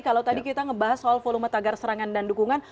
kalau tadi kita membahas soal volume tagar serangan dan dukungan